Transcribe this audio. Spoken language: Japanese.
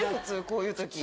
こういう時。